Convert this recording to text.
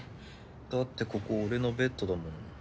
だってここ俺のベッドだもん。